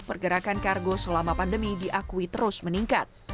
pergerakan kargo selama pandemi diakui terus meningkat